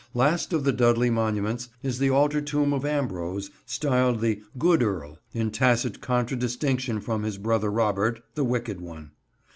Last of the Dudley monuments, is the altar tomb of Ambrose, styled the "good Earl," in tacit contradistinction from his brother Robert, the wicked one.